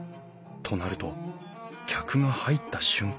となると客が入った瞬間